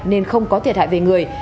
nên không có thiệt hại về người